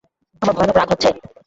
আমার ভয়ানক রাগ হচ্ছে।